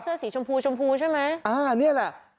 สีชมพูชมพูใช่ไหมอ่านี่แหละ